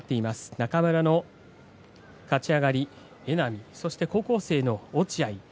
中村の勝ち上がり榎波と高校生の落合。